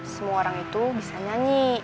semua orang itu bisa nyanyi